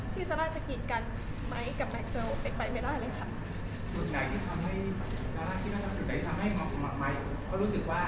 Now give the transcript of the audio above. ที่ซัลล่ามีการกินกัน